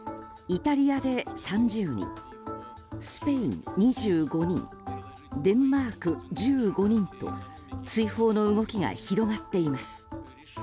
イタリアで３０人スペイン２５人デンマーク１５人と追放の動きが広がっています。